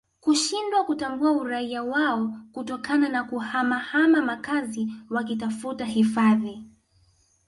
kushindwa kutambua uraia wao kutokana na kuhama hama makazi wakitafuta hifadhi